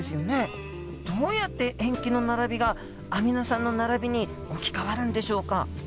どうやって塩基の並びがアミノ酸の並びに置き換わるんでしょうか？